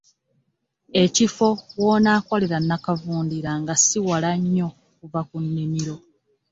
Ekifo w'onaakolera nnakavundira nga ssi wala nnyo okuva ku nnimiro.